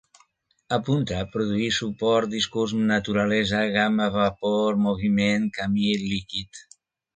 Apunta: produir, suport, discurs, naturalesa, gamma, vapor, moviment, camí, líquid